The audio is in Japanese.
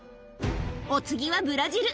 お次はブラジル。